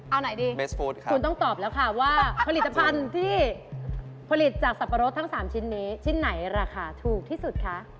เอาไหนดีคุณต้องตอบแล้วค่ะว่าผลิตภัณฑ์ที่ผลิตจากสับปะรดทั้ง๓ชิ้นนี้ชิ้นไหนราคาถูกที่สุดคะ